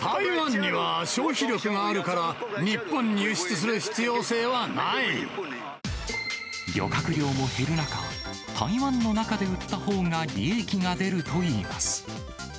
台湾には消費力があるから、漁獲量も減る中、台湾の中で売ったほうが利益が出るといいます。